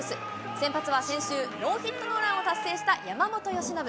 先発は先週、ノーヒットノーランを達成した山本由伸。